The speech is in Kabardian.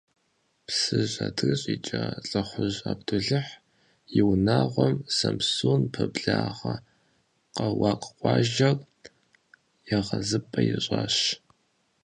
Псыжь адрыщӀ икӀа ЛӀыхужь Абдулыхь и унагъуэм Самсун пэблагъэ Къэуакъ къуажэр егъэзыпӀэ ищӀащ.